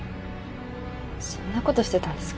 そんなことしてたんですか？